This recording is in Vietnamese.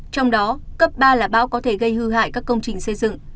trong đó cấp ba là bão có thể gây hư hại các công trình xây dựng